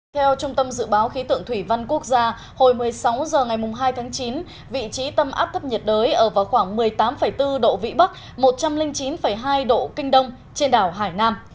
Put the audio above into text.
theo trung tâm dự báo khí tượng thủy văn quốc gia hồi một mươi sáu h ngày hai tháng chín vị trí tâm áp thấp nhiệt đới ở vào khoảng một mươi tám bốn độ vĩ bắc một trăm linh chín hai độ kinh đông trên đảo hải nam